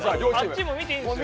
あっちも見ていいんですよね？